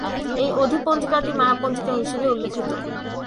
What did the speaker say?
এই অধি-পঞ্জিকাটি 'মায়া পঞ্জিকা' হিসাবে উল্লিখিত।